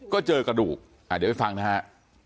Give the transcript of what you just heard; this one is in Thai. ก็เจอกระดูกเดี๋ยวไปฟังนะฮะ